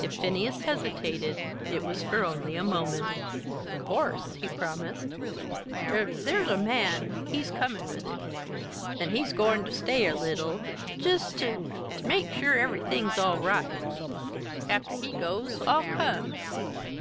If Phineas hesitated it was for only a moment. "'Course," he promised. "Er there's a man, he's comin' with it, an' he's goin' ter stay a little, jest ter ter make sure everything's all right. After he goes I'll come.